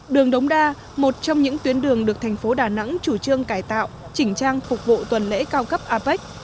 đường đống đa một trong những tuyến đường được thành phố đà nẵng chủ trương cải tạo chỉnh trang phục vụ tuần lễ cao cấp apec